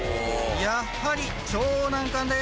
やはり超難関です